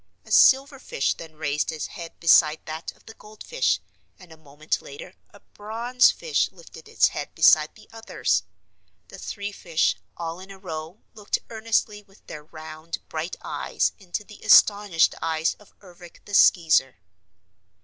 A silverfish then raised its head beside that of the goldfish, and a moment later a bronzefish lifted its head beside the others. The three fish, all in a row, looked earnestly with their round, bright eyes into the astonished eyes of Ervic the Skeezer.